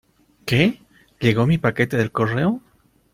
¿ Qué? ¿ llego mi paquete del correo ?